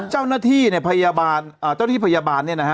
เจ้าหน้าที่พยาบาลนี่นะครับ